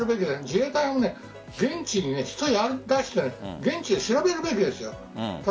自衛隊も現地に人を出して現地で調べるべきです。